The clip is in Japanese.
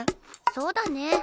そうだね。